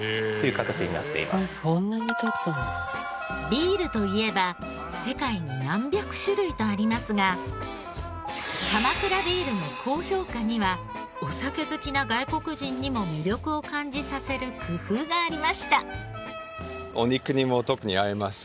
ビールといえば世界に何百種類とありますが鎌倉ビールの高評価にはお酒好きな外国人にも魅力を感じさせる工夫がありました。